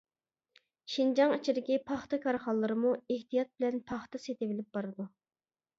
شىنجاڭ ئىچىدىكى پاختا كارخانىلىرىمۇ ئېھتىيات بىلەن پاختا سېتىۋېلىپ بارىدۇ.